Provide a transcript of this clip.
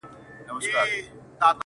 چي زړه ته! ته راغلې په مخه رقيب هم راغی!